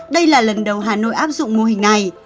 đây là lần đầu hà nội áp dụng mô hình này